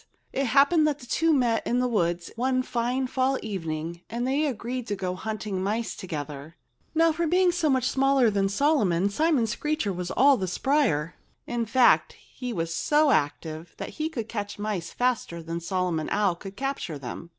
It happened that the two met in the woods one fine fall evening; and they agreed to go hunting mice together. Now, being so much smaller than Solomon, Simon Screecher was all the spryer. In fact, he was so active that he could catch mice faster than Solomon Owl could capture them.